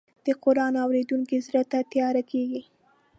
د قرآن اورېدونکی زړه نه تیاره کېږي.